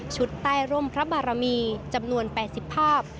ใต้ร่มพระบารมีจำนวน๘๐ภาพ